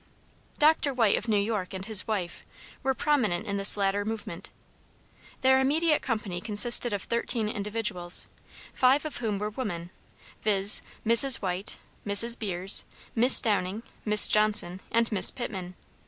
Dr. White of New York, and his wife, were prominent in this latter movement. Their immediate company consisted of thirteen individuals, five of whom were women, viz.: Mrs. White, Mrs. Beers, Miss Downing, Miss Johnson, and Miss Pitman.